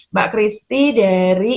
mbak kristi dari